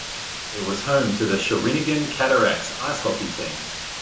It was home to the Shawinigan Cataractes Ice hockey team.